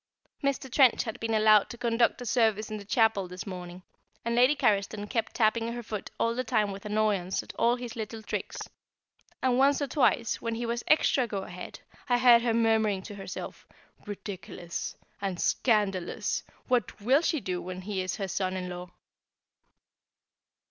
Mr. Trench had been allowed to conduct the service in the chapel this morning, and Lady Carriston kept tapping her foot all the time with annoyance at all his little tricks, and once or twice, when he was extra go ahead, I heard her murmuring to herself "Ridiculous!" and "Scandalous!" What will she do when he is her son in law?